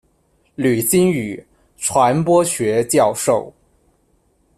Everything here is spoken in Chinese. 吕新雨，传播学教授。